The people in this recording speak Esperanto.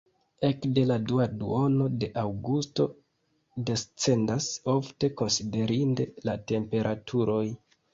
Ekde la dua duono de aŭgusto descendas ofte konsiderinde la temperaturoj.